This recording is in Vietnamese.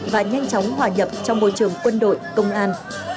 và nhanh chóng hòa nhập trong môi trường quân đội công an